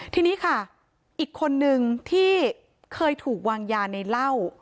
ทีนี้ค่ะอีกคนนึงที่เคยถูกวางยาในเหล้า